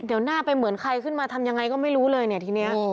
เดี๋ยวหน้าไปเหมือนใครขึ้นมาทำยังไงก็ไม่รู้เลยเนี่ยทีนี้